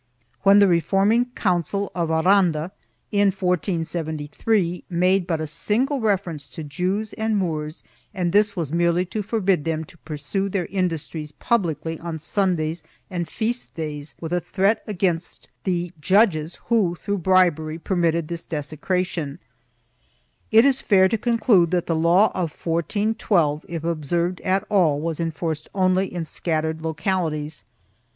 When the reforming Council of Aranda, in 1473, made but a single refer ence to Jews and Moors and this was merely to forbid them to pursue their industries publicly on Sundays and feast days, with a threat against the judges who, through bribery, permitted this desecration, it is fair to conclude that the law of 1412, if observed at all, was enforced only in scattered localities.